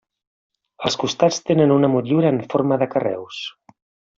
Els costats tenen una motllura en forma de carreus.